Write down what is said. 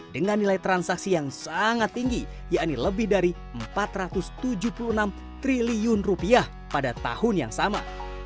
dengan nilai transaksi yang sangat tinggi yakni lebih dari empat ratus tujuh puluh enam triliun pada tahun yang sama